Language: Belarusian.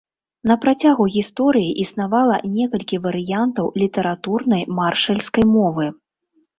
На працягу гісторыі існавала некалькі варыянтаў літаратурнай маршальскай мовы.